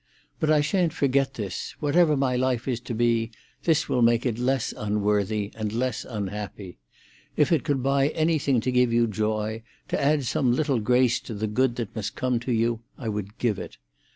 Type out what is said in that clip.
But I shan't forget this; whatever my life is to be, this will make it less unworthy and less unhappy. If it could buy anything to give you joy, to add some little grace to the good that must come to you, I would give it.